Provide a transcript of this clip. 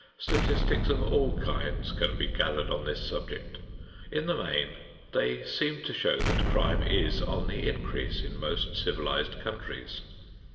Statistics of all kinds can be gathered on this subject. In the main they seem to show that crime is on the increase in most civilized countries.